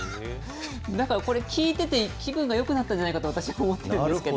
だからこれ、聞いてて気分がよくなったんじゃないかと、私は思っなるほど。